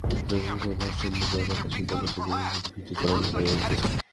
জনসংখ্যার ভারসাম্যের ব্যাপারটা শ্বেতাঙ্গ শ্রেষ্ঠত্ববাদীদের ভীতির কারণ হয়ে উঠেছে।